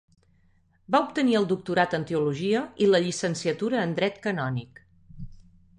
Va obtenir el doctorat en teologia i la llicenciatura en dret canònic.